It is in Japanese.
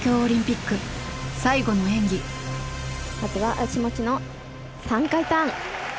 まずは足持ちの３回ターン。